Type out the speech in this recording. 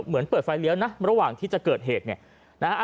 เหมือนเปิดไฟเลี้ยวนะระหว่างที่จะเกิดเหตุเนี่ยนะฮะ